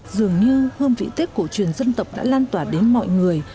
dường như hương vị tết cổ truyền dân tộc đã lan tỏa đến mọi người